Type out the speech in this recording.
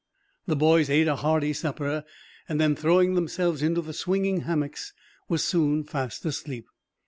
The boys ate a hearty supper; and then, throwing themselves into the swinging hammocks, were soon fast asleep.